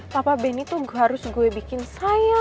papa benny tuh harus gue bikin saya